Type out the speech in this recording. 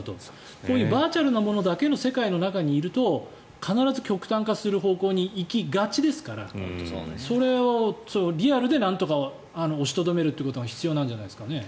こういうバーチャルなものだけの世界にいると必ず極端化する方向に行きがちですからそれはリアルでなんとか押しとどめるということが必要なんじゃないですかね。